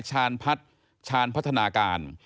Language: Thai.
ชาญพัฒนาการ